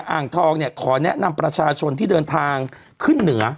อ่างทองเนี่ยขอแนะนำประชาชนที่เดินทางขึ้นเหนือ